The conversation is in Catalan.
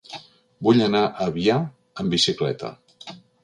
Vull anar a Avià amb bicicleta.